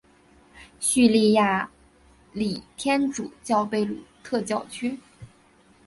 叙利亚礼天主教贝鲁特教区。